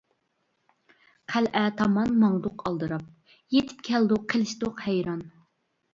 قەلئە تامان ماڭدۇق ئالدىراپ، يىتىپ كەلدۇق قېلىشتۇق ھەيران.